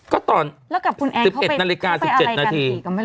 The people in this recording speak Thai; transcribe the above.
ก็ตอน๑๑นาดนาฬิกา๑๗นาที